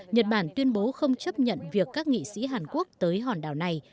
nhật bản tuyên bố không chấp nhận việc các nghị sĩ hàn quốc tới hòn đảo này